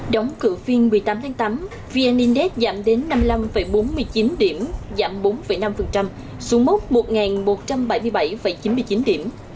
đóng cử phiên một mươi tám tháng tám vn index giảm đến năm mươi năm bốn mươi chín điểm giảm bốn năm xuống mốc một một trăm bảy mươi bảy chín mươi chín điểm